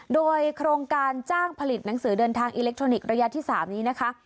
โดยโครงการจ้างผลิตหนังสือเดินทางอิเล็กทรอนิกส์ระยะที่๓นี้นะคะ